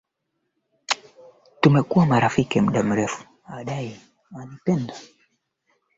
anajeshi nchini humo kwa sasa wanatumia helikopta kunyunyuzia maji mitambo hiyo